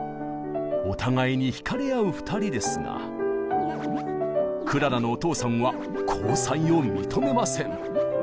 お互いに引かれ合う２人ですがクララのお父さんは交際を認めません。